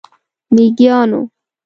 میږیانو،